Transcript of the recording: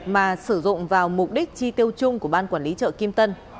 mà sử dụng vào mục đích chi tiêu chung của ban quản lý chợ kim tân